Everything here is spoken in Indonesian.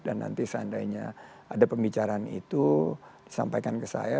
dan nanti seandainya ada pembicaraan itu disampaikan ke saya